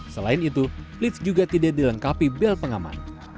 selain itu lift juga tidak dilengkapi bel pengaman